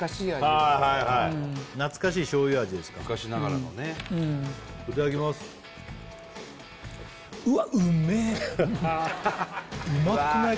懐かしい醤油味ですか昔ながらのねいただきますうまくない？